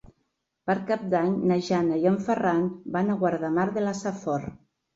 Per Cap d'Any na Jana i en Ferran van a Guardamar de la Safor.